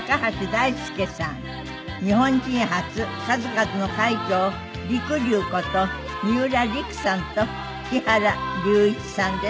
日本人初数々の快挙りくりゅうこと三浦璃来さんと木原龍一さんです。